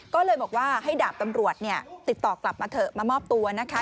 ก็เลยบอกว่าให้ดาบตำรวจเนี่ยติดต่อกลับมาเถอะมามอบตัวนะคะ